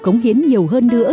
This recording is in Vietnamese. cống hiến nhiều hơn nữa